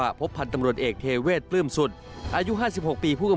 และหัวหน้าพนักงานสอบสวนรงพักเดียวกัน